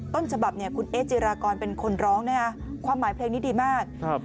ต้นฉบับเนี่ยคุณเอ๊จิรากรเป็นคนร้องนะฮะความหมายเพลงนี้ดีมากครับ